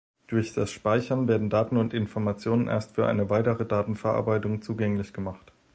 Durch das Speichern werden Daten und Informationen erst für eine weitere Datenverarbeitung zugänglich gemacht.